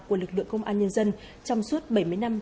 của lực lượng công an nhân dân trong suốt bảy mươi năm